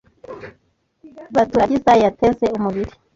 Baturagiza yateze umubiri